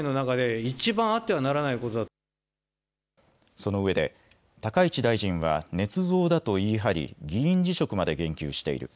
そのうえで高市大臣はねつ造だと言い張り議員辞職まで言及している。